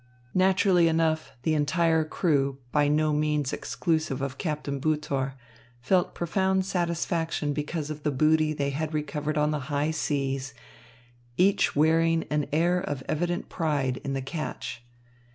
Naturally enough, the entire crew, by no means exclusive of Captain Butor, felt profound satisfaction because of the booty they had recovered on the high seas, each wearing an air of evident pride in the catch.